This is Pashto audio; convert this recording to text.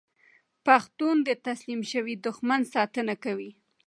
پښتون د تسلیم شوي دښمن ساتنه کوي.